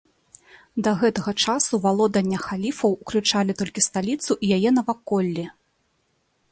Да гэтага часу валодання халіфаў ўключалі толькі сталіцу і яе наваколлі.